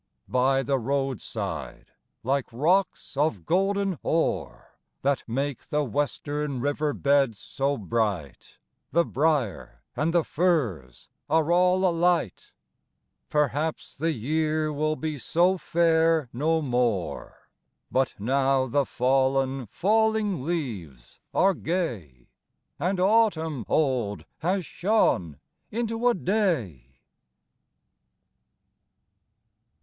By the roadside, like rocks of golden ore That make the western river beds so bright, The briar and the furze are all alight! Perhaps the year will be so fair no more, But now the fallen, falling leaves are gay, And autumn old has shone into a Day!